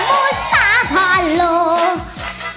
อามูสาภาโลมันน่าตบโชว์ถ้าเจอ